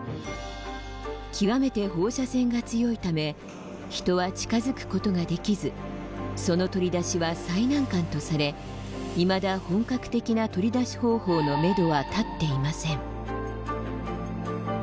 極めて放射線が強いため人は近づくことができずその取り出しは最難関とされいまだ本格的な取り出し方法のめどは立っていません。